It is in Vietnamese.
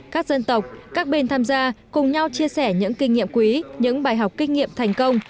các dân tộc các bên tham gia cùng nhau chia sẻ những kinh nghiệm quý những bài học kinh nghiệm thành công